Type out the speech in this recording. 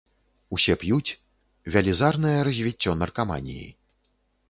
Усе п'юць, вялізнае развіццё наркаманіі.